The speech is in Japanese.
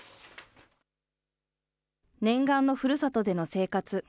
念願のふるさとでの生活。